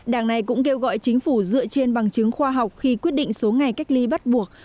đảng này cũng kêu gọi chính phủ dựa trên bằng chứng khoa học khi quyết định số ngày cách ly bắt buộc